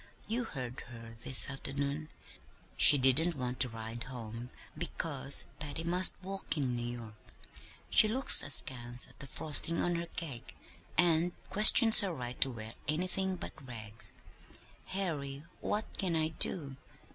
You heard her this afternoon she didn't want to ride home because Patty must walk in New York. She looks askance at the frosting on her cake, and questions her right to wear anything but rags. Harry, what can I do?"